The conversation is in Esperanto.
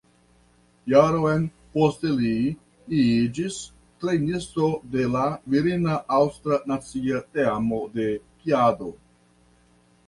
Jaron poste li iĝis trejnisto de la virina aŭstra nacia teamo de skiado.